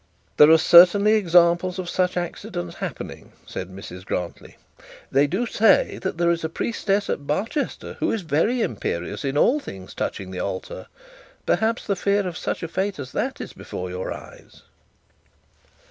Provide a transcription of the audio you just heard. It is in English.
'There are certainly examples of such accidents happening,' said Mrs Grantly. 'They do say that there is a priestess at Barchester who is very imperious in all things touching the altar. Perhaps the fear of such a fate as that is before your eyes.'